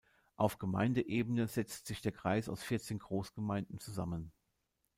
Auf Gemeindeebene setzt sich der Kreis aus vierzehn Großgemeinden zusammen.